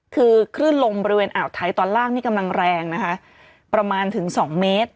คือคลื่นลมบริเวณอ่าวไทยตอนล่างนี่กำลังแรงนะคะประมาณถึงสองเมตร